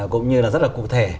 cũng như là rất là cụ thể